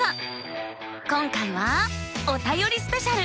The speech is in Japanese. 今回は「おたよりスペシャル」。